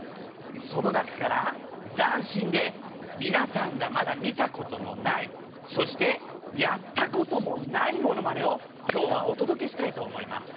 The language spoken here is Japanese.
その中から、斬新で皆さんがまだ見たことのないそしてやったこともないモノマネを今日はお届けしたいと思います。